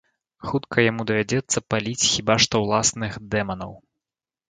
Хутка яму давядзецца паліць хіба што ўласных дэманаў.